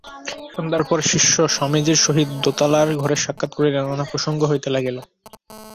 সন্ধার পর শিষ্য স্বামীজীর সহিত দোতলার ঘরে সাক্ষাৎ করিলে নানা প্রসঙ্গ হইতে লাগিল।